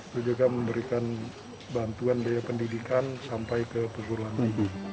dan juga memberikan bantuan dari pendidikan sampai ke peguruan ini